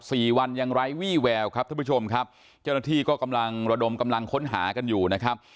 สี่วันยังไร้วี่แววครับท่านผู้ชมครับเจ้าหน้าที่ก็กำลังระดมกำลังค้นหากันอยู่นะครับ